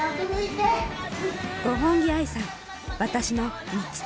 五本木愛さん。